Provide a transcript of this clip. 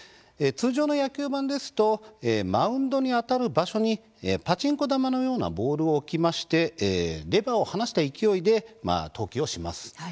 通常の野球盤ですとマウンドにあたる場所にパチンコ玉のようなボールを置きましてレバーを離した勢いで投球をします。